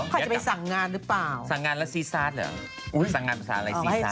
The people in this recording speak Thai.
เขาจะไปสั่งงานหรือเปล่าสั่งงานแล้วซีซาสเหรอสั่งงานภาษาอะไรซีซาส